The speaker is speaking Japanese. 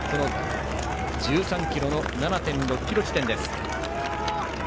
１３ｋｍの７．６ｋｍ地点。